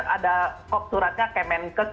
ada suratnya kemenkes